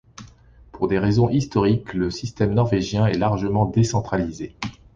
Pour des raisons historiques, le système norvégien est largement décentralisé.